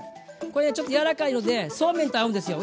これねちょっと柔らかいのでそうめんと合うんですよ。